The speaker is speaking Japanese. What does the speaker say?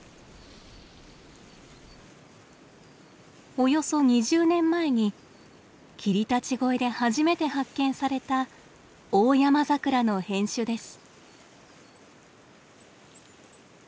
およそ２０年前に霧立越で初めて発見されたオオヤマザクラの変種です。